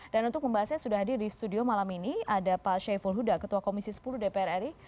dan untuk membahasnya sudah hadir di studio malam ini ada pak sheyful huda ketua komisi sepuluh dpr ri